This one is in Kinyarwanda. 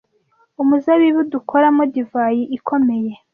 umuzabibu dukoramo divayi ikomeye